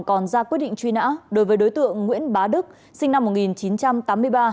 còn ra quyết định truy nã đối với đối tượng nguyễn bá đức sinh năm một nghìn chín trăm tám mươi ba